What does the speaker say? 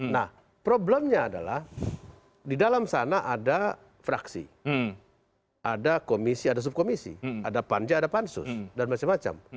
nah problemnya adalah di dalam sana ada fraksi ada komisi ada subkomisi ada panja ada pansus dan macam macam